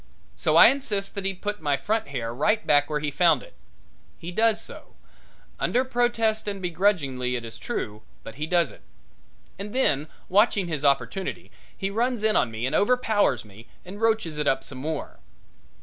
So I insist that he put my front hair right back where he found it. He does so, under protest and begrudgingly, it is true, but he does it. And then, watching his opportunity, he runs in on me and overpowers me and roaches it up some more.